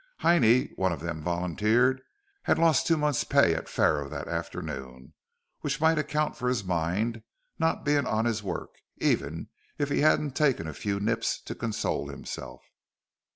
Heinie, one of them volunteered, had lost two months' pay at faro that afternoon, which might account for his mind not being on his work, even if he hadn't taken a few nips to console himself.